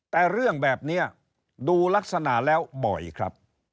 แต่เรื่องแบบนี้ดูลักษณะแล้วบ่อยครับ